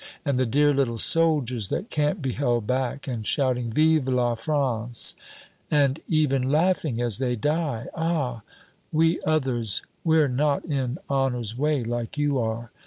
And the dear little soldiers that can't be held back and shouting, 'Vive la France!' and even laughing as they die! Ah! we others, we're not in honor's way like you are.